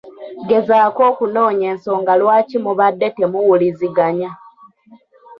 Gezaako okunoonya ensonga lwaki mubadde temuwuliziganya.